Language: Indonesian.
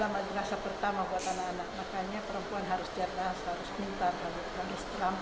perempuan adalah madrasa pertama buat anak anak makanya perempuan harus jernas harus pintar harus terampil sehingga bisa mendidih anak anak secara baik